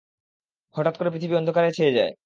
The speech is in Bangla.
হঠাৎ করে পৃথিবী অন্ধকারে ছেয়ে যায়।